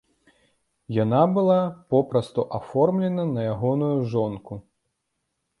Яна была папросту аформлена на ягоную жонку.